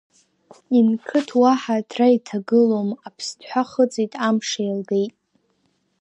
Инқыҭ уаҳа аҭра иҭагылом, аԥсҭҳәа хыҵит, амш еилгеит.